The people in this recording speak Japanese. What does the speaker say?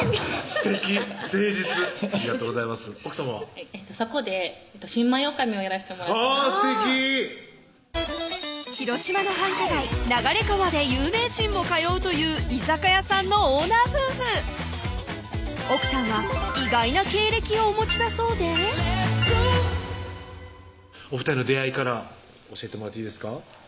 すてき広島の繁華街・流川で有名人も通うという居酒屋さんのオーナー夫婦奥さんは意外な経歴をお持ちだそうでお２人の出会いから教えてもらっていいですか？